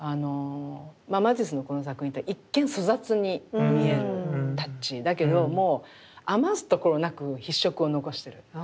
マティスのこの作品って一見粗雑に見えるタッチだけども余すところなく筆触を残してる。